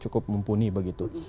cukup mumpuni begitu